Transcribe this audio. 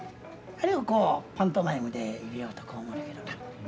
あれをこうパントマイムで入れようとこう思うのやけどな。